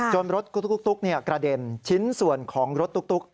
รถตุ๊กกระเด็นชิ้นส่วนของรถตุ๊ก